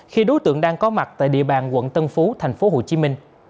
khi đối tượng đang có mặt tại địa bàn quận tân phú tp hcm